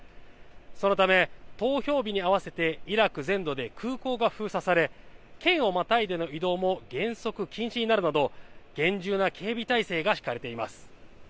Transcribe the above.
そのため、投票日に合わせてイラク全土で空港が封鎖され県をまたいでの移動も原則、禁止になるなど厳重な警備態勢が敷かれています。